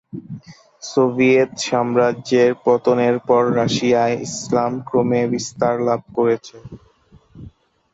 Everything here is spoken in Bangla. সোভিয়েত সাম্রাজ্যের পতনের পর রাশিয়ায় ইসলাম ক্রমে বিস্তার লাভ করছে।